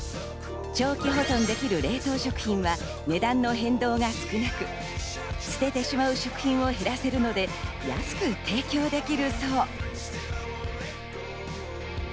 長期保存できる冷凍食品は値段の変動が少なく捨ててしまう食品を減らせるので、安く提供できるそう。